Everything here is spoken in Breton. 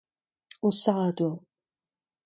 o zadoù.